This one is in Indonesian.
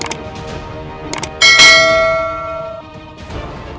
disih para anjana